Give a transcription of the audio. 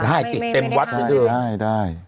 ได้ที่สั้นประเทียมวัฒน์ได้ได้